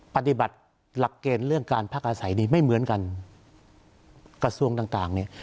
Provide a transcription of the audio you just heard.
ปฏิบัติหลักเกณฑ์เรื่องการพักอาศัยนี้ไม่เหมือนกันกระทรวงต่างต่างเนี่ย